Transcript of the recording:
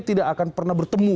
tidak akan pernah bertemu